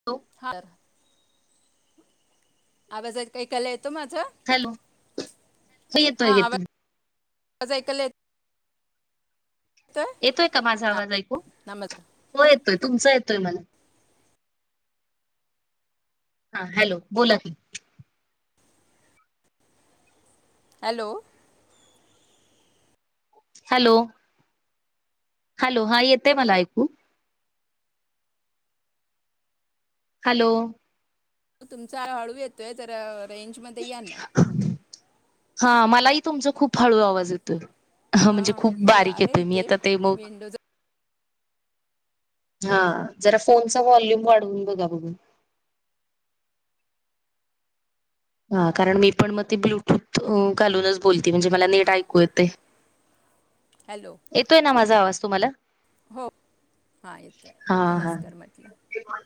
Hello हा आवाजात काही आयकाला येतो माझा? हॅलो हो येतोय येतो. ऐकलय [inaudible] येतोय का माझा हा, आवाज ऐकू नमस्कार हो येतोय तुमचा येतोय मला. हा हॅलो बोला की, हॅलो! हॅलो! हॅलो हा येतेय मला ऐकू. हॅलो! तुमचा हळू येतोय तर रेंजमध्येध्ये या ना. हा मलाही तुमचा खूप हळू आवाज येतोय. हा म्हणजे खूप मी खरे बारीक आहे येतोय मी इथे आता ते मग, विंडोज हा जरा फोनचा वॉल्यूम वाढवून बघा बरं. हा कारण मी पण मग ते ब्लूटूथ घालूनच बोलते म्हणजे मला नीट ऐकू येतय. [inaudible] हॅलो! येतोय ना माझा आवाज तुम्हाला? हो हा येतोय हा हा नमस्कार म्हटलं.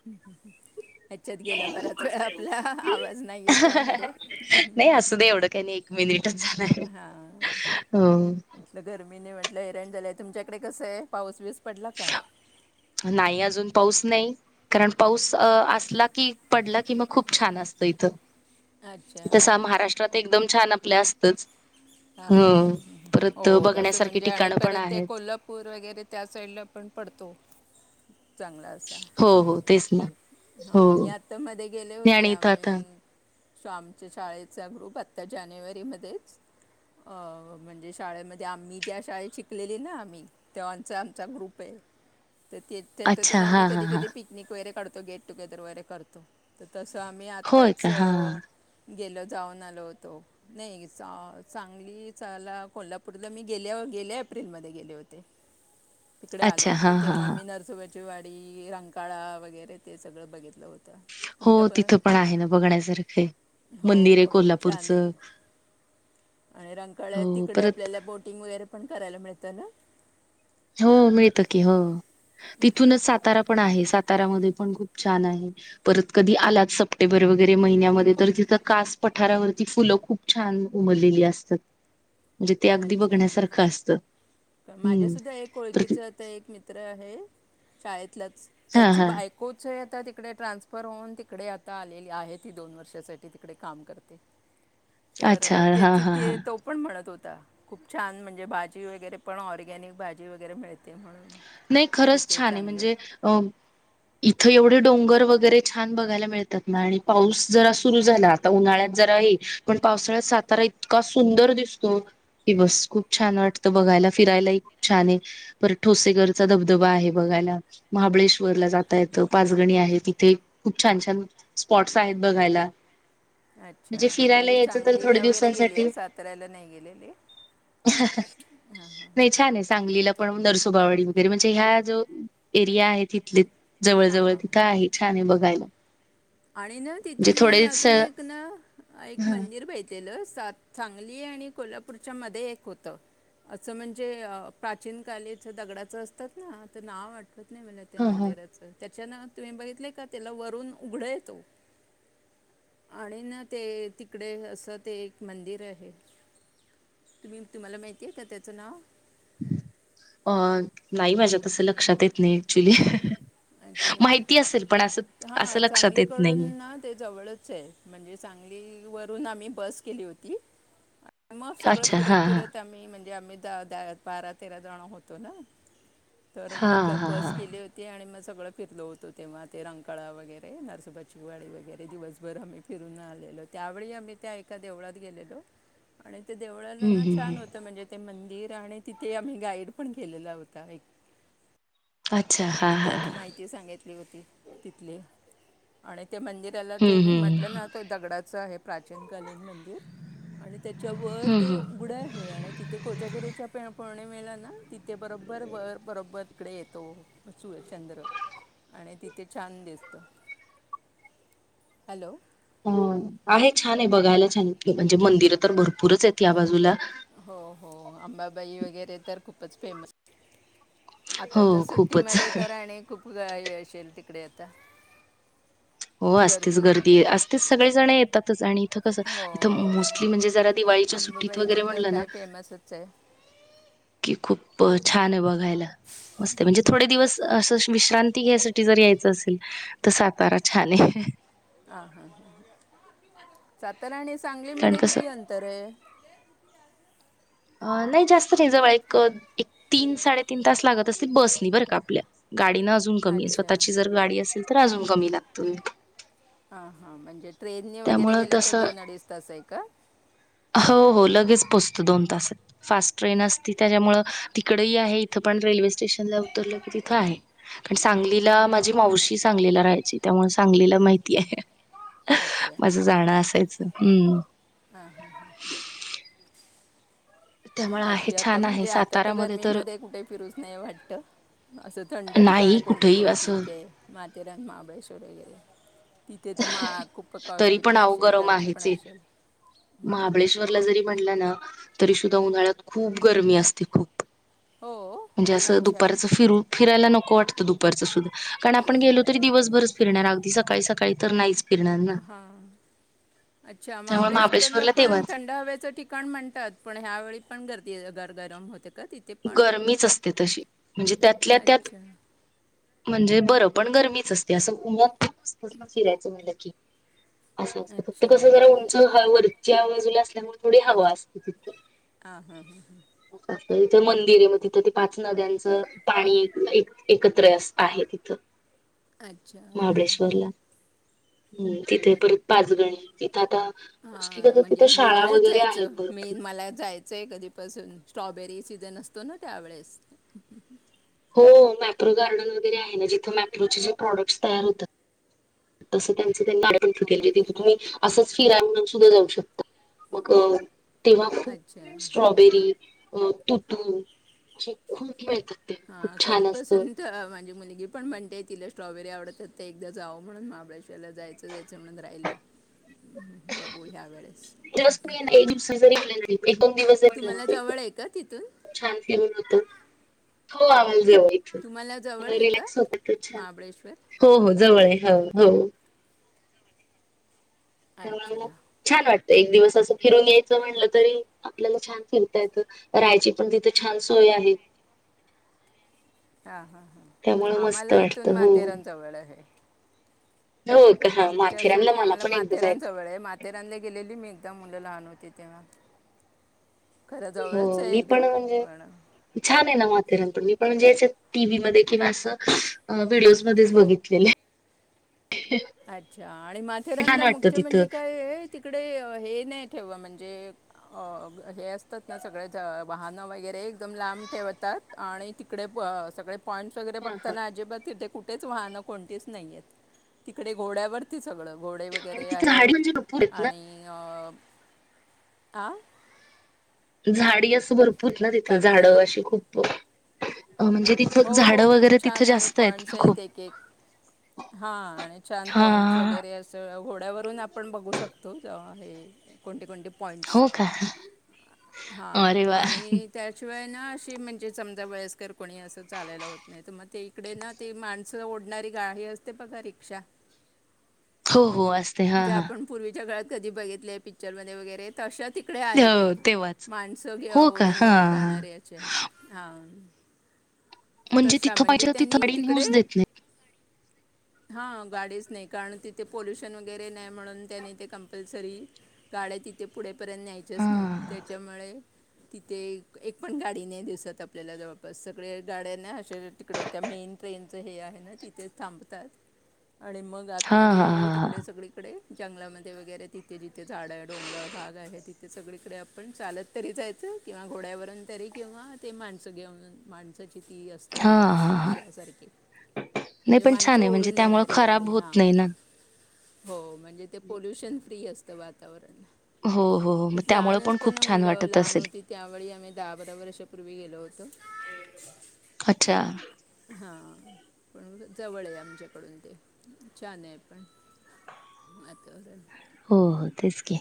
ह्याच्यात गेला बराच वेळा आपला आवाज नाहीयेत त्यांमध्ये. नाही असू दे एवढं काही नाही एक मिनिटच झालं हो. म्हटलं गर्मीं म्हटलं हैरण झाल्या तुमच्याकडे कसं आहे पाऊस बीस पडला का? नाही अजून पाऊस नाही. कारणं की पाऊस असलां की पडलां कि मगं खूंप छांन असतं इथं अच्छा जसां महाराष्ट्रांत एकदंम छांन असंल्या असं हां हां हं हं हो परत तसं बघण्यासारखी म्हणजे आणि ठिकाणं पण परतं ते आहेत. कोलां पूंर वगैरें त्यां साईडलां पणं पडतो चांगला असां हो हो तेचं नां हां मी यांत्रे मध्यें गेले होते आणि इथं आता आम्हीं शस्वं आमच्यां शाळेचां ग्रुप आंत्ता जानेवारीमध्येंचं अं म्हणजे शाळेमध्यें आम्हीं ज्यां शाळेतं शिकलेली नां आम्हीं तेव्हांचा आमचा ग्रुप आहे तरं ते अच्छा त्यांच्यातून हा आम्हीं हा कधीं हा कधीं पिकं निक वगैरें काढतो गेटं टुंगेदरं वगैरें करतो तरं तसं आम्हीं होय का हा आत्ताचं गेलो जाऊंन आलो होतो नाहीं चांगली चलां कोल्हापूंरला मी गेल्यां गेल्यां एप्रिलमध्यें गेले होते [inaudible] [unintelligible] तिकडे आले अच्छा हा होते हा तेव्हां हा मी नरंसोबांची वाडी रांकाळा वगैरें. ते सगळं बघितलं होतं हो तुमच्या पण तिथं पणं आहे नां बघण्यांसारखे हो मंदिर आहे ब- खूप छान आहे कोल्हापूंरचं आणि रांकाळ तिकडे परत आपल्यांला बोटिंग वगैरें पणं करांयला मिळतं नां. हो मिळतं की हो तिथूंन चं सातारा पणं आहे सातारा मध्यें पणं खूंप छांन आहे. परतं कधीं आलांच सप्टेंबर वगैरें महिन्यांमध्यें तरं तिथं कांस पठारांवरती फुलं खूंप छांन उमरलेली असतांत म्हणजे ते अगदीं बघण्यांसारखं असतं. हम्म. माझ्यांसुद्धां एक तर ओळखीचं तरं एक मित्रं आहे शाळेतंलंच हा त्यांची हा बाईको कोचही आंता तिकडे ट्रान्सफर होऊंन तिकडे आंता आलेली आहे ती दोन वर्षासाठी तिकडे कामं करते. [inaudible] [unintelligible] तरं हा त्यांची हा हा ते तो पणं म्हणतं होतां खूंप छांन म्हणजे भाजी वगैरें पणं ऑर्गॅनिक भाजी वगैरें मिळते म्हणूंन नाहीं खरंच छांन आहे म्हणजे अं इथं एवढे डोंगर वगैरें छांन बघांयला मिळतांत नां आणि पाऊस जरां सुरूं झालां. आंता उन्हाळ्यांत जरां आहे पणं पावसाळ्यांत सातारा इतकां सुंदर दिसतो. की बसं खूंप छांन वाटतं बघांयला फिरांयलाही छांन आहे परं ठोसे करं चां धबंधबां आहे बघांयला अ- महाबळेश्वरला जातां येतं. पांचगणी आहे तिथे खूंप छांन छान स्पॉट्स आहेतं बघांयला. अच्छा मी तर थोड्या सांगलीला वगैरें गेली दिवसांसाठी आहे साताऱ्यांला नाहीं गेलेले. नाहीं छांन आहे सांगलीला पणं नरसोबावडी वगैरें म्हणजे ह्यां जो एरिया आहे तिथले हां जवळं जवळं हां तिथं आहे. छांन आहे बघांयला. आणि नां तिथे मी अजूंन एक नां एक हा मंदिर ब लं सांगली आणि कोल्हापूंरच्या मध्यें एक होतं असं म्हणजे प्राचीन कालीच दगडाचं असतांत नां तरं नावं वाटतं खंत नाहीं म्हलां त्यां हा हा मंदिरांच त्यांच्यानं तुम्हीं बघितलंय कां त्यांला वरूंन उघडं येतो. आणि नां ते तिकडे असं ते एक मंदिर आहे. तुम्हीं तुम्हांला माहितीय आहे कां त्याचं नांव अं नाहीं माझ्यां तसं लक्षांत येतं नाहीं ऍक्च्युंली अच्छा माहिती असेल पणं असं असं हां लक्षांत येतं सांगलीकडून नाहीये. ना ते जवळचं आहे म्हणजे सांगली वरूंन आम्हीं बसं केली होती मगं सगळं अच्छा फिरतं हा हा फिरतं आम्हीं म्हणजे आम्हीं दहा दहा बारा तेरा जणं होतो नां तर हा मग हा हा बस गेली होती आणि मस् सगळं फिरलो होतो तेव्हा ते रंकाळा वगैरे, नरसोबाची वाडी वगैरे दिवसभर आम्ही फिरून आलेलो त्यावेळी आम्ही त्या एका देवळात गेलेलो. ह आणि ते देवळाला ना छान होतं म्हणजे ते मंदिर आणि तिथे आम्ही गाईड पण केलेला होता एक. अच्छा हा तर हा हा त्यानं माहिती सांगितली होती तिथली आणि ते मंदिर त्याला ते हम्म मी म्हटलं हम्म ना तो दगडाचं आहे प्राचीनकालीन मंदिर. आणि त्याच्यावर हम्म ते हम्म उघडा आहे आणि ति ते कोजागिरीच्या पौर्णिमेला ना तिथे बरोबर वर बरोबर तिकडे येतो. सूर्य, चंद्र आणि तिथे छान दिसतं. हॅलो हा आहे छान आहे बघायला छान आहे म्हणजे मंदिरं तर भरपूरच आहेत या बाजूला. हो हो अंबाबाई वगैरे तर खूपच फेमस आता हो तर खूपच सुट्टीमध्ये तर आणि खूप हे येशील तिकडे आता. हो असतेच गर्दी असतेच सगळे जण येतातच आणि इथं कसं हो इथं हो मोस्टली म्हणजे जरा दिवाळीच्या सुट्टीत अंबाबाईचं वगैरे तर म्हणलं ना काय फेमसच आहे कि खूप छान आहे बघायला मस्त म्हणजे थोडे दिवस असं विश्रांती घ्यायसाठी जर यायचं असेल तर सातारा छान आहे. हा हा हा सातारा आणि कारण सांगलीमध्ये कसं किती अंतर आहे? नाही जास्त नाही जवळ एक एक, तीन, साडेतीन तास लागत असते बस नी बरं का आपल्या गाडी न अजून कमी अच्छा स्वतःची जर गाडी असेल तर अजून कमी लागत. हा हा म्हणजे ट्रेनने वगैरे गेलं तर तसं दोन, अडीच तास आहे का? हो हो लगेच पोचतो दोन तास फास्ट ट्रेन असती त्याच्यामुळ तिकडेही आहे इथं पण रेल्वे स्टेशनला उतरलं की तिथं आहे. कारण सांगलीला माझी मावशी सांगलीला राहायची त्यामुळं सांगलीला माहिती आहे. अच्छा माझ जाणं असायचं हम्म हा हा हा हा त्यामुळे आहे बाकी आता छान आहे म्हणजे आता तर सातारामध्ये गर्मीमध्ये कुठे फिरूस नाही वाटत. असं थंड नाही ठिकाण कोणते कुठेही तरी असं ठीक आहे माथेरान, महाबळेश्वर वगैरे तिथे तर मा खूप तरी कॉस्टली पण आव असेल, गरम गर्दी पण आहेच आहे. असेल. महाबळेश्वरला जरी म्हणटला ना तरी सुद्धा उन्हाळ्यात खूप गरमी असते खूप हो म्हणजे असं अच्छा दुपारच फिरू फिरायला नको वाटतं दुपारचं सुद्धा कारण आपण गेलो तरी दिवसभरच फिरणार अगदी सकाळी सकाळी तर नाहीच. फिरणार ना. हा अच्छा त्यामुळे महाबळेश्वरला पण तेव्हाच थंड हव्याचं ठी पण म्हणतात पण ह्यावेळी पण गर्दी घर गरम होते का तिथ गरमीच असते तशी म्हणजे त्यातल्या त्यात अच्छा म्हणजे बरं पण गरमीच असते असं उन्यात पण अससतस ना फिरायचं म्हणलं की. असं असतं फक्त अच्छा कसं जरा उंच ह वरच्या बाजूला असल्यामुळे थोडी हवा असते तिथं. हा हा हा [unintelligible] तिथं मंदिर आहे मग तिथं ते पाच नद्यांचं पाणी एक एकत्र आहे तिथं. हां अच्छा ओके महाबळेश्वरला हम्म तिथे परत पाचगणी तिथं आता मोस्टली हा कसं म्हणजे तिथं शाळा हिवाळ्यात वगैरे आहेत जायचं भरपूर. मेन मला जाय ते - कधीपासून स्ट्रॉबेरी सीझन असतो ना त्यावेेळेसं. हो मॅप्रो गार्डन वगैरे आहे ना जिथे मॅप्रोचे जे प्रॉडक्ट्स तयार होत. तसं त्यांच त्यांनी आपणे तिथे तुम्ही असंच फिरा म्हणून सुद्धा जाऊ शकता. मग तेव्हा अच्छा खूप स्ट्रॉबेरी, मग तू हम् तु ची खूप मिळतात. ते हां खूप छान असतं. कधीपासून माझी मुलगी पण म्हणते तिला स्ट्रॉबेरी आवडतात तर एकदा जाव म्हणून महाबळेश्वरला जायचं. द्यायचं म्हणून राहिलेय बघू ह्या वेळेसं. दिवसाचे रिप्लाय कडे [inaudible] एक दोन दिवस. जरी गेले तुम्हाला ना जवळ खूप आहे का तिथून? छान फिमंग होतं हो आम्हला जवळ. तुम्हाला जवळ आहे का रक् होतछान महाबळेश्वर हो हो जवळ [inaudible] अच्छा छान वाटतं एक दिवस असं फिरून यायचं म्हणलं तरी, आपल्याला छान फिरता येतं राहायची पण तिथं छान सोय आहे. हा हा हा, त्यामुळे मस्त आम्हाला इथूनं वाटतं हो माथेरान जवळ आहे. हो का आमच्या माथेरानला साठी मला आम्हाला पण एकदा माथेरान जायचं जवळ आहे. माथेरानला गेलेली मी एकदा मुलं लहान होती तेव्हा. खऱ्या जवळचं हो आहे मी पण एकदम म्हणजे पण छान आहे ना माथेरन पण मी पण म्हणजे च्यात. टीव्ही मध्ये किंवा असं व्हिडिओज मध्येच बघितलेलं. अच्छा, आणि माथेरान छान वाटतं मुख्य तिथं म्हणजे काय आहे. तिकडे हे नाही ठेव म्हणजे अ- हे असतात ना सगळे वाहनं वगैरे एकदम लांब ठेवतात. आणि तिकडे सगळे पॉईंट्स वगैरे हा हा बघताना अजिबात तिथे कुठेचं वाहणं कोणतीच नाहीयेत. तिकडे घोड्यावरती सगळं घोडे आणि वगैरे तिथं आहेत झाडी म्हणजे भरपूर आहेत आणि आ? झाडी असं भरपूर ना तिथं काय झाडं म्हणाले अशी खूप म्हणजे तिथं. हो - हो झाडं खूप वगैरे तिथं छान आणि जास्त पॉइंट्स ना खूप आहेत एक - एक. हा आणि छान हा पॉइंट्स वगैरे अस अस घोड्यावरून आपण बघू शकतो हे. कोणते - कोणते पॉईंट्स हो का हां अरे वा आणि त्याशिवाय ना अशी म्हणजे समजा वयस्कर कोणी असते. चालायला होत नाही तर मग ते इकडे ना ते माणसं ओढणारी गाडी असते बघा रिक्षा हो- हो असते हा ज्या -हा. आपण पूर्वीच्या काळात कधी बघितलं आहे पिक्चरमध्ये वगैरे, तशा तिकडे आहेत हो तेव्हाच माणसं घे हो का ओढून हा घेऊन हा जाणार याच्या. हा. तशा तिथं म्हणजे पाहिजे त्यांनी तिथं गाडी तिकडे न्यूज देत नाही हा गाडीचं नाही कारण तिथे पोल्युशन वगैरे, नाही म्हणून त्यानी ते कंपल्सरी. गाड्या तिथे पुढेपर्यंत हा न्यायच्याच नाहीत त्याच्यामुळे. तिथे एक पण गाडी नाही दिसत आपल्याला जवळपास सगळे गाड्या ना असे तिकडे त्या मेन ट्रेनच हे आहे ना तिथे थांबतात आणि मग हा हा रातमध्ये हा हा. तिकडे सगळीकडे जंगलामध्ये वगैरे, तिथे जिथे झाडं आहे. डोंगराळ भाग आहे तिथे सगळीकडे आपण चालतं. तरी जायचं किंवा घोड्यावरून तरी किंवा ते माणसं घेऊन माणसाची ती असते. ती हां, गाडी हां, हां. रिक्षासारखी. नाही म्हणजे पण छान माणसं आहे म्हणजे ओडून त्यामुळं नेणारी गाडी खराब हा. होत नाही ना. हो म्हणजे ते पोलोल्युशन फ्री असतं वातावरण. हो. हो. हो. मग त्यामुळं लहान पण खूप असताना छान मुलं वाटत लहान असेल. होती त्यावेळी आम्ही दहा बारा वर्षापूर्वी गेलो होतो. अच्छा! ! हा पण जवळ आहे आमच्याकडून ते छान आहे पण. [inaudible] हो हो तेच की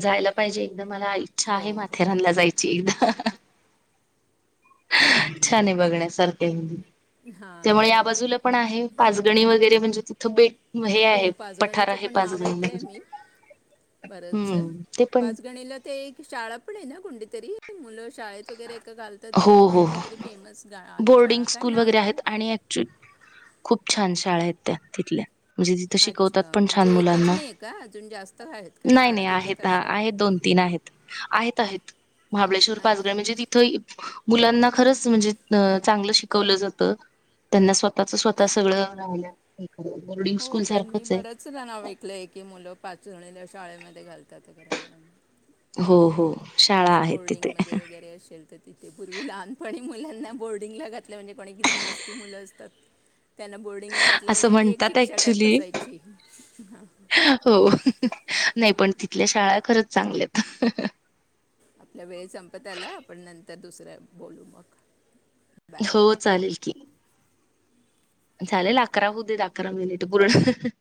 जायला पाहिजे. एकदम मला इच्छा हो आहे. हो माथेरानला जायची. [unintelligible] छान आहे बघण्यासारखं हां त्यामुळे ना या बाजूला पण आहे पाचगणी वगैरे म्हणजे तिथं बेट हे हो आहे पठार आहे पाचग बरच आहे पाच गणीला ते एक शाळा पण आहे ना कुडीतरी? मुलं शाळेत वगैरे एक घालतात ती हो, हो, कोणती हो. तरी फेमस गा आहे शाळा बोर्डिंग काय स्कूल नाव वगैरे आहे. आहेत आणि खूप छान शाळा आहेत त्या तिथल्या. म्हणजे तिथं शिकवतात अच्छा पण छान म्हणजे एकच मुलांना नाही आहे का अजून जास्त आहेत का नाही, शाळा नाही तिथे आहेत तशा आहेत दोन, तीन आहेत. आहेत आहेत महाबळेश्वर पाचग अच्छा म्हणजे तिथं खरंच मुलांना चांगलं शिकवलं जातं. त्यांना स्वतः त्याच स्वतः सगळं राहिलं. बोर्डिंग हो स्कूल काय, पण मी सारखंच आहे बरंच सुद्धा ना ऐकलं आहे की मुलं पाचागणीला शाळेमध्ये घालतात वगैरे म्हणून, हो हो शाळा अस आहेत बोर्डिंग तिथे मध्ये वगैरे असेल तर तिथे पूर्वी लहानपणी मुलांना बोर्डिंगला घातल्या म्हणजे कोणी एकदम मस्ती मुलं असतात. त्यांना बोर्डिंगला घातलं असं म्हणजे ती एक म्हणतात शिक्षा टाईप ऍक्च्युली असायची ह. हो नाही पण तिथल्या शाळा खरंच चांगल्यात. आपल्या वेळ संपत आला आपण नंतर दुसरं बोलू मग, बाय हो चालेल की, चालेल अकरा होउ देत अकरा मिनिट पूर्ण